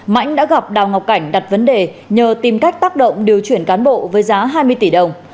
mãnh đã gặp đào ngọc cảnh đặt vấn đề nhờ tìm cách tác động điều chuyển cán bộ với giá hai mươi tỷ đồng